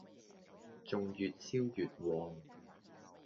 仲越燒越旺